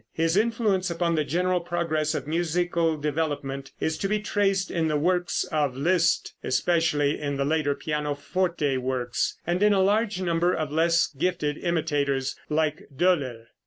His influence upon the general progress of musical development is to be traced in the works of Liszt, especially in the later pianoforte works, and in a large number of less gifted imitators, like Doehler.